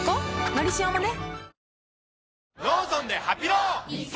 「のりしお」もね